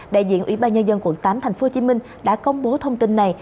đại diện ủy ban nhân dân quận tám tp hcm đã công bố thông tin này